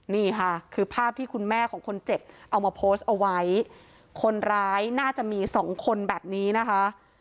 นี่ค่ะคือภาพที่คุณแม่ของคนเจ็บเอามาโพสต์เอาไว้คนร้ายน่าจะมีสองคนแบบนี้นะคะ